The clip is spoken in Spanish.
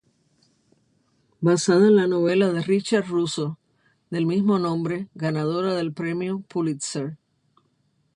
Basada en la novela de Richard Russo del mismo nombre ganadora del Premio Pulitzer.